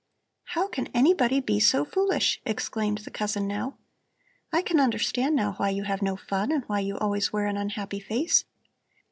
"How can anybody be so foolish!" exclaimed the cousin now. "I can understand now why you have no fun and why you always wear an unhappy face.